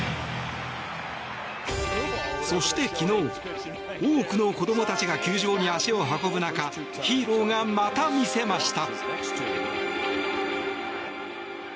そして昨日、多くの子供たちが球場に足を運ぶ中ヒーローが、また見せました。